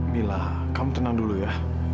mila kamu tenang dulu ya